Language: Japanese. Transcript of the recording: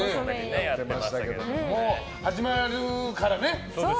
もう始まるからね。